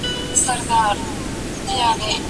زه اوس کتابونه لولم!؟